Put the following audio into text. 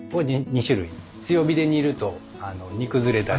強火で煮ると煮崩れたり。